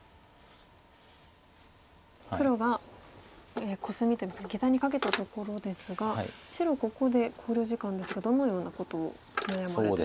黒がコスミといいますかゲタにカケたところですが白ここで考慮時間ですがどのようなことを悩まれて。